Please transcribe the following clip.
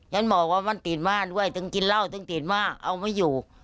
ฉันบอกว่ามันติดม่านด้วยถึงกินเหล้าถึงติดม่าเอาไม่อยู่